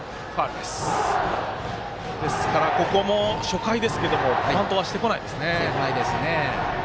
ここも初回ですけどもバントはしてこないですね。